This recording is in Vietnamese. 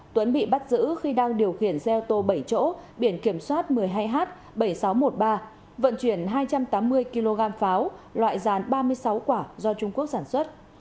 tuấn bị bắt giữ khi đang điều khiển xe ô tô bảy chỗ biển kiểm soát một mươi hai h bảy nghìn sáu trăm một mươi ba vận chuyển hai trăm tám mươi kg pháo loại dàn ba mươi sáu quả do trung quốc sản xuất